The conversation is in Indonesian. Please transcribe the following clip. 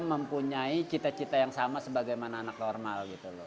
mempunyai cita cita yang sama sebagaimana anak normal